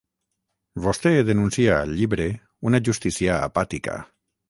vostè denuncia al llibre una justícia apàtica